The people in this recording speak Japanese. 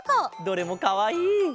どれもかわいい！